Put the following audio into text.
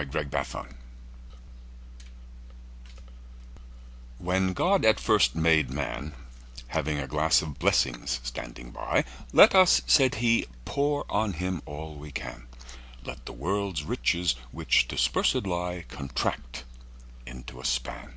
The Pulley WHEN God at first made Man, Having a glass of blessings standing by—Let us (said He) pour on him all we can; Let the world's riches, which dispersèd lie, Contract into a span.